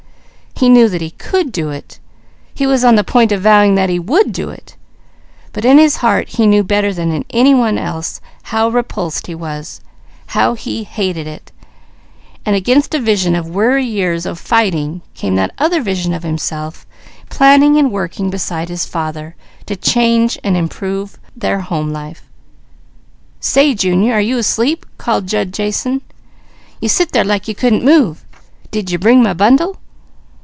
He knew that he could do it; he was on the point of vowing that he would do it; but in his heart he knew better than any one else how repulsed he was, how he hated it, and against a vision of weary years of fighting, came that other vision of himself planning and working beside his father to change and improve their home life. "Say Junior are you asleep?" called Jud Jason. "You sit there like you couldn't move. D'ye bring my bundle?"